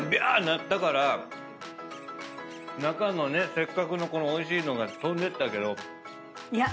なったから中のねせっかくのこのおいしいのが飛んでったけどそれでもうまいよ。